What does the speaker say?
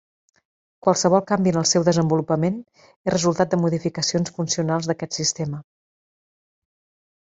Qualsevol canvi en el seu desenvolupament és resultat de modificacions funcionals d'aquest sistema.